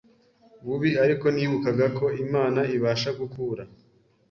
bubi ariko nibukagako Imana ibasha gukura